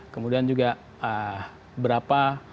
kemudian juga ee berapa